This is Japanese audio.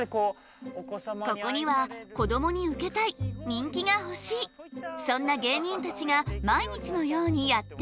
ここにはこどもにウケたい人気が欲しいそんな芸人たちが毎日のようにやって来る。